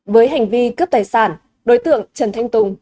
với hành vi cướp tài sản đối tượng trần thanh tùng